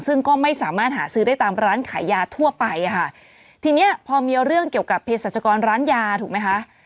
ซึ่งก็ไม่สามารถหาซื้อได้ตามร้านขายยาทั่วไปอ่ะค่ะทีเนี้ยพอมีเรื่องเกี่ยวกับเพศรัชกรร้านยาถูกไหมคะ